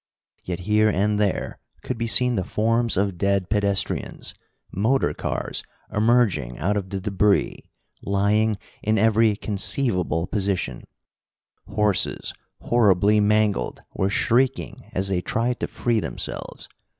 Yet here and there could be seen the forms of dead pedestrians, motor cars emerging out of the débris, lying in every conceivable position; horses, horribly mangled, were shrieking as they tried to free themselves.